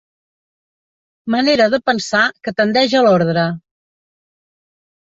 Manera de pensar que tendeix a l'ordre.